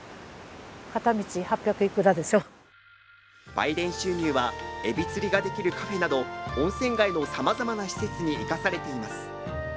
売電収入は、エビ釣りができるカフェなど温泉街のさまざまな施設に生かされています。